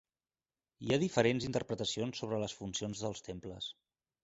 Hi ha diferents interpretacions sobre les funcions dels temples.